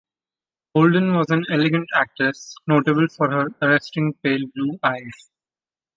Holden was an elegant actress, notable for her arresting pale blue eyes.